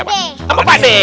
pak ustadz sama pak d